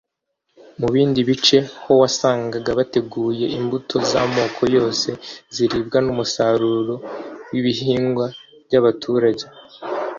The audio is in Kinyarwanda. Mu bindi bice ho wasangaga bateguye imbuto z’amoko yose ziribwa n’umusaruro w’ibihingwa by’abaturage